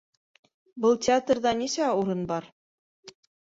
Был театрҙа нисә. урын бар?